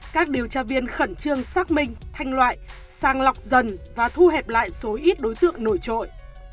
các điều tra viên khẩn trương xác minh thanh loại sang lọc dần và thu hẹp lại số ít đối tượng nổi trội